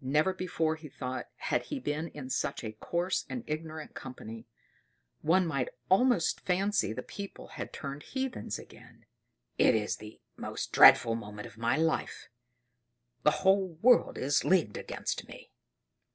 Never before, he thought, had he been in such a coarse and ignorant company; one might almost fancy the people had turned heathens again. "It is the most dreadful moment of my life: the whole world is leagued against me!"